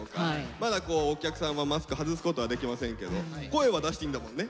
まだお客さんはマスク外すことはできませんけど声は出していいんだもんね。